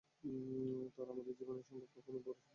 আমরা আমাদের জীবন সম্পর্কে, কোনও বড় সিদ্ধান্ত নিতে পারি না।